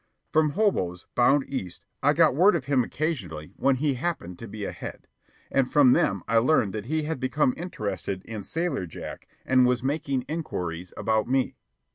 From hoboes, bound east, I got word of him occasionally, when he happened to be ahead; and from them I learned that he had become interested in Sailor Jack and was making inquiries about me.